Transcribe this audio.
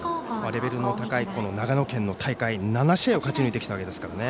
レベルの高い長野県の大会７試合を勝ち抜いてきたわけですから。